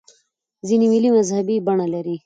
ځیني مېلې مذهبي بڼه لري.